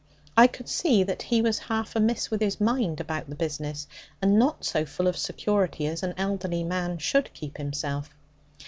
I could see that he was half amiss with his mind about the business, and not so full of security as an elderly man should keep himself.